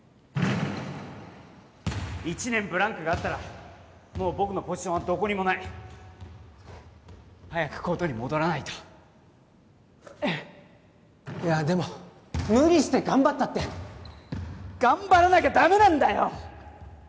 １年ブランクがあったらもう僕のポジションはどこにもない早くコートに戻らないといやでも無理して頑張ったって頑張らなきゃダメなんだよ！